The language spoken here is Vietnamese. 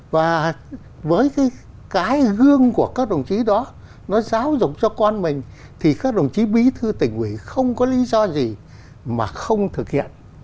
và với cái gương của các đồng chí đó nó giáo dục cho con mình thì các đồng chí bí thư tỉnh ủy không có lý do gì mà không thực hiện